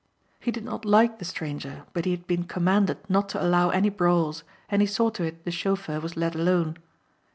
He did not like the stranger but he had been commanded not to allow any brawls and he saw to it the chauffeur was let alone.